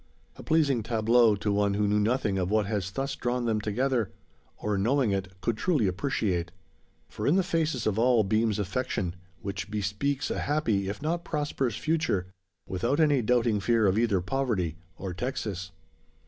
A pleasing tableau to one who knew nothing of what has thus drawn them together; or knowing it, could truly appreciate. For in the faces of all beams affection, which bespeaks a happy, if not prosperous, future without any doubting fear of either poverty, or Texas.